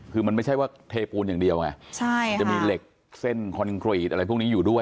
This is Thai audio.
คือมันไม่ใช่ว่าเทปูนอย่างเดียวไงใช่มันจะมีเหล็กเส้นคอนกรีตอะไรพวกนี้อยู่ด้วย